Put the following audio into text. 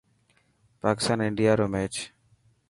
پاڪستان انڊيا رو ميچ